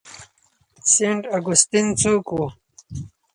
سینټ اګوستین څوک و؟